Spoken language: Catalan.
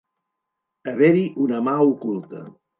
Haver-hi una mà oculta.